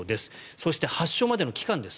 そして、発症までの期間です。